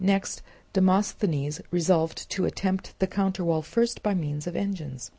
Next Demosthenes resolved to attempt the counterwall first by means of engines.